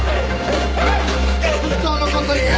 本当の事を言え！